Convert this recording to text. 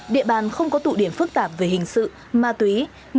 địa bàn không có tụ điểm phức tạp về hình sự ma túy